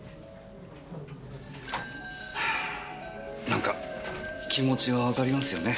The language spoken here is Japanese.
なんか気持ちはわかりますよね。